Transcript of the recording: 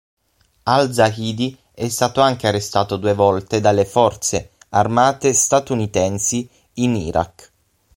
Al-Zaydī è stato anche arrestato due volte dalle forze armate statunitensi in Iraq.